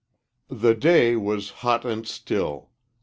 THE day was hot and still.